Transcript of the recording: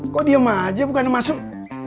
kok diem aja bukannya masuk